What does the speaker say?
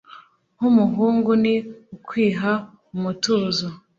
nk’umuhungu ni ukwiha umutuzo.